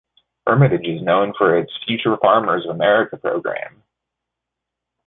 Hermitage is known for its Future Farmers of America program.